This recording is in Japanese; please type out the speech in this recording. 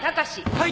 はい！